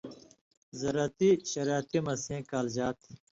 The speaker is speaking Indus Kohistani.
زرتی شریعتی مہ سیں کالژا تھی